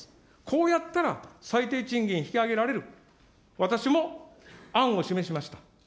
こうやったら最低賃金引き上げられる、私も案を示しました。